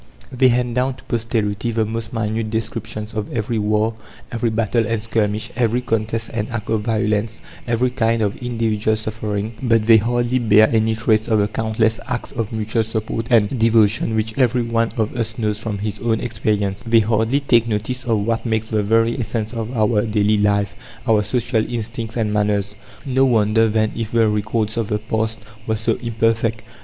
They hand down to posterity the most minute descriptions of every war, every battle and skirmish, every contest and act of violence, every kind of individual suffering; but they hardly bear any trace of the countless acts of mutual support and devotion which every one of us knows from his own experience; they hardly take notice of what makes the very essence of our daily life our social instincts and manners. No wonder, then, if the records of the past were so imperfect.